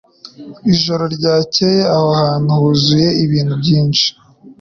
Ijoro ryakeye aho hantu huzuye ibintu byinshi